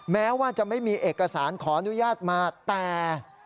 แม้ว่าจะไม่มีเอกสารขออนุญาตมาแต่